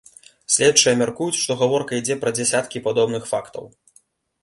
Следчыя мяркуюць, што гаворка ідзе пра дзясяткі падобных фактаў.